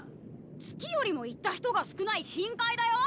月よりも行った人が少ない深海だよ！